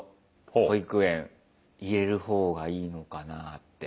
保育園入れる方がいいのかなあって。